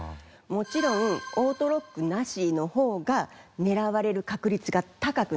もちろんオートロックなしの方が狙われる確率が高くなります。